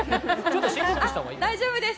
大丈夫です。